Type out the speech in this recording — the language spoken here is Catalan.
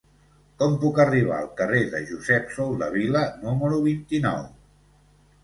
Com puc arribar al carrer de Josep Soldevila número vint-i-nou?